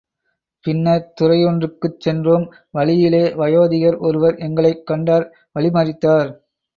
பின்னர் துறையொன்றிற்குச் சென்றோம் வழியிலே வயோதிகர் ஒருவர் எங்களைக் கண்டார் வழிமறித்தார்.